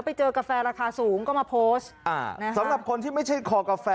คุณจะขายของคุณภาพสวนทางกับราคา